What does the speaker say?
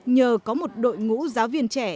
nhờ có một đội ngũ giáo viên trẻ